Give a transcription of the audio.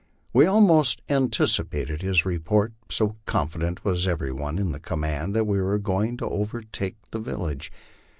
We almost anticipated his report, so confident was everybody in the command that we were going to overtake the village.